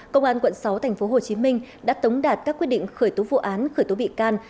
công an quận sáu tp hcm đã tống đạt các quyết định khởi tố vụ án khởi tố bị can